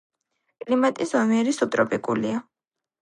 კლიმატი ზომიერი სუბტროპიკულია.